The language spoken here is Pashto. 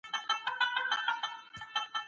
هغې لومړۍ اوزیمپیک ستنه واخیسته.